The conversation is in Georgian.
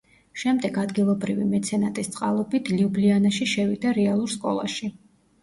შემდეგ ადგილობრივი მეცენატის წყალობით ლიუბლიანაში შევიდა რეალურ სკოლაში.